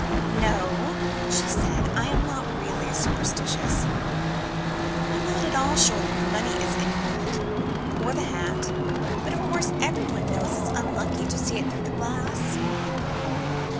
"No," she said, "I am not really superstitious; I'm not at all sure that the money is any good, or the hat, but of course everyone knows it's unlucky to see it through glass."